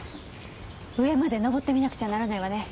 上まで上ってみなくちゃならないわね。